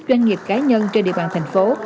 doanh nghiệp cá nhân trên địa bàn thành phố